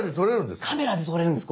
カメラで撮れるんです。